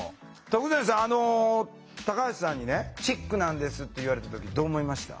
徳善さんタカハシさんにねチックなんですって言われた時どう思いました？